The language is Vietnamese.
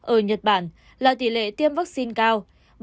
ở nhật bản là tỷ lệ tiêm vaccine cao